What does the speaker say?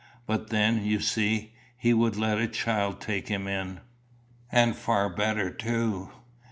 But then, you see, he would let a child take him in." "And far better too.